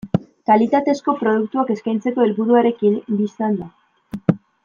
Kalitatezko produktuak eskaintzeko helburuarekin, bistan da.